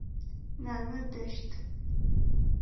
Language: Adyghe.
Нанэ дэщт.